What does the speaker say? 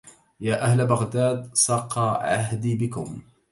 يا أهل بغداد سقى عهدي بكم